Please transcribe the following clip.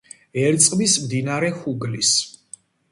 ერწყმის მდინარე ჰუგლის.